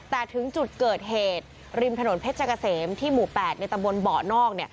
แต่ถึงจุดเกิดเหตุริมถนนเพชรเกษมที่หมู่๘ในตำบลเบาะนอก